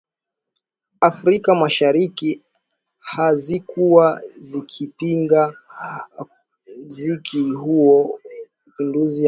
afrika mashariki hazikuwa zikipiga muziki huo Mapinduzi ya mwanzo yalifanywa na msanii Mac